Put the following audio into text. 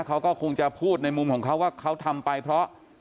เขาก็คงจะพูดในมุมของเขาว่าเขาทำไปเพราะ